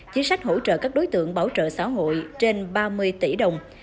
chính sách hỗ trợ các đối tượng bảo trợ xã hội trên ba mươi tỷ đồng